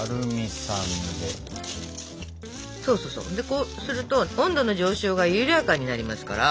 こうすると温度の上昇が緩やかになりますから。